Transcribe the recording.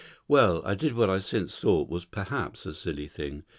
"Well, I did what I've since thought was perhaps a silly thing.